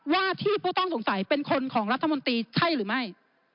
ว่าที่ผู้ต้องสงสัยเป็นคนของรัฐมนตรีใช่หรือไม่